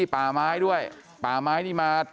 พ่อขออนุญาต